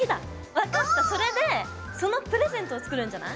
分かったそれでそのプレゼントを作るんじゃない？